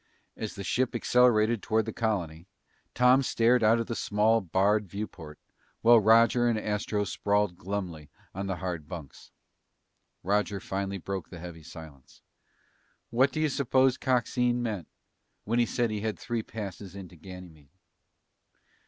As the ship accelerated toward the colony, Tom stared out of the small, barred viewport while Roger and Astro sprawled glumly on the hard bunks. Roger finally broke the heavy silence. "What do you suppose Coxine meant when he said he had three passes into Ganymede?"